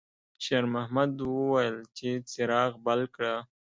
شېرمحمد وویل چې څراغ بل کړه.